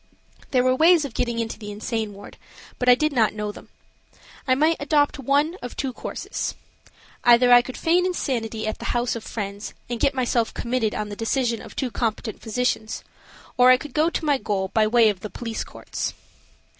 There were ways of getting into the insane ward, but I did not know them. I might adopt one of two courses. Either I could feign insanity at the house of friends, and get myself committed on the decision of two competent physicians, or I could go to my goal by way of the police courts.